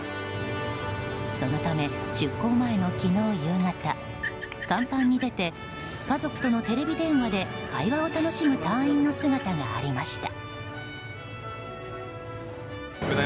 そのため出港前の昨日夕方甲板に出て家族とのテレビ電話で会話を楽しむ隊員の姿がありました。